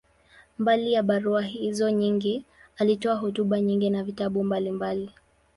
Mbali ya barua hizo nyingi, alitoa hotuba nyingi na vitabu mbalimbali.